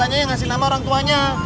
makanya yang ngasih nama orang tuanya